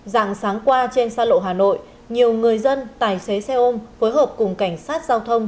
giàng sáng qua trên xa lộ hà nội nhiều người dân tài xế xe ôm phối hợp cùng cảnh sát giao thông